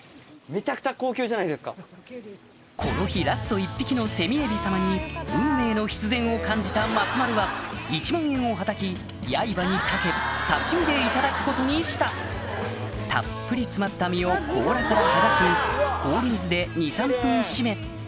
この日ラスト１匹のセミエビ様にを感じた松丸は１万円をはたきやいばにかけ刺し身でいただくことにしたたっぷり詰まった身を甲羅から剥がし氷水で２３分締め